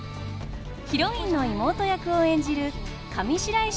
ヒロインの妹役を演じる上白石